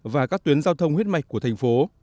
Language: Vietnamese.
và các tuyến giao thông huyết mạch của thành phố